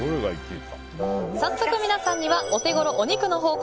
早速皆さんにはオテゴロお肉の宝庫